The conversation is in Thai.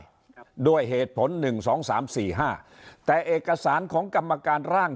ด้วยเหตุผลหนึ่งสองสามสี่ห้าแต่เอกสารของกรรมการร่าง